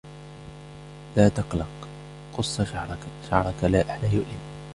لا تقلق, قص شعرك لا يؤلم.